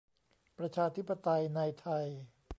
ประชาธิปไตยในไทย